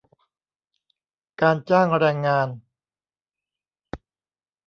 การจ้างแรงงาน